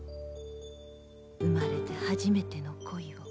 生まれて初めての恋を。